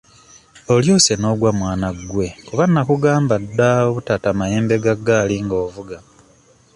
Olyose n'ogwa mwana gwe kuba nnakugamba dda obutata mayembe ga ggaali ng'ovuga.